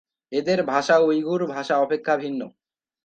এদের ভাষা উইগুর ভাষা অপেক্ষা ভিন্ন।